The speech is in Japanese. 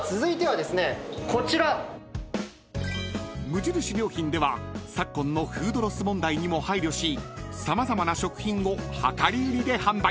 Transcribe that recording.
［無印良品では昨今のフードロス問題にも配慮し様々な食品を量り売りで販売］